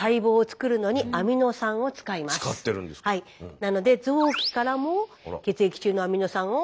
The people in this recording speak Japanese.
なので臓器からも血液中のアミノ酸をいっただき！